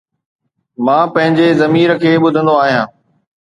مان پنهنجي ضمير کي ٻڌندو آهيان